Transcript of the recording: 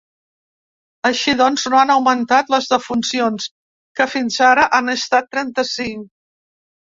Així doncs, no han augmentat les defuncions, que fins ara han estat trenta-cinc.